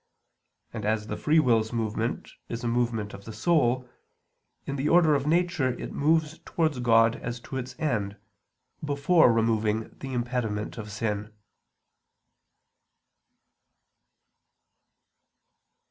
And as the free will's movement is a movement of the soul, in the order of nature it moves towards God as to its end, before removing the impediment of sin.